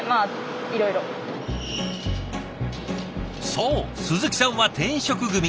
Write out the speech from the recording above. そう鈴木さんは転職組。